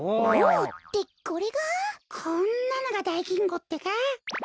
こんなのがだいきんこってか？